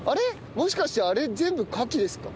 もしかしてあれ全部カキですか？